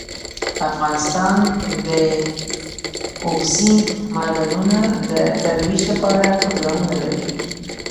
افغانستان د اوبزین معدنونه د ترویج لپاره پروګرامونه لري.